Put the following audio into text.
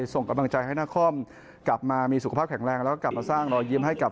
ส่งกำลังใจให้นครกลับมามีสุขภาพแข็งแรงแล้วก็กลับมาสร้างรอยยิ้มให้กับ